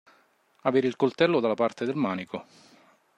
Avere il coltello dalla parte del manico.